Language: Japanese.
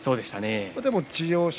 でも千代翔